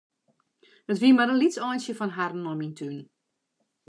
It wie mar in lyts eintsje fan harren nei myn tún.